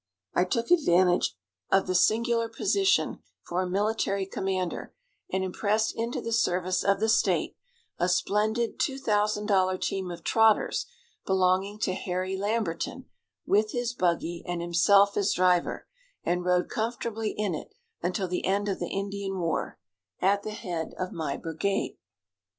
I took advantage of this singular position for a military commander, and impressed into the service of the state a splendid $2,000 team of trotters belonging to Harry Lamberton, with his buggy, and himself as driver, and rode comfortably in it until the end of the Indian war, at the head of my brigade.